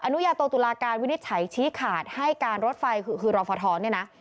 นุญาโตตุลาการวินิจฉัยชี้ขาดให้การรถไฟคือรอฟทเนี่ยนะ